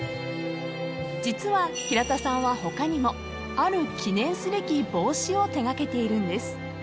［実は平田さんは他にもある記念すべき帽子を手掛けているんです］